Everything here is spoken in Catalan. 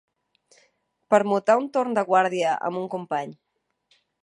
Permutar un torn de guàrdia amb un company.